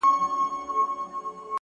له دې جهانه بېل وي’